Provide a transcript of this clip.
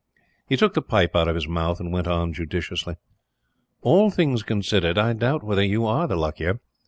He took the pipe out of his mouth, and went on judicially: "All things considered, I doubt whether you are the luckier.